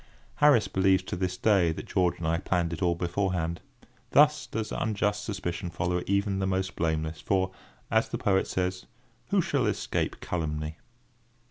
Harris believes to this day that George and I planned it all beforehand. Thus does unjust suspicion follow even the most blameless for, as the poet says, "Who shall escape calumny?"